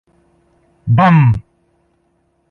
Μπαμ!